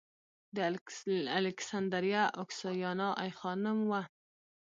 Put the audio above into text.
د الکسندریه اوکسیانا ای خانم و